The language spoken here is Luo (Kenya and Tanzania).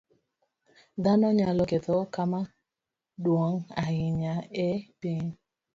Dhano nyalo ketho kama duong' ahinya e piny.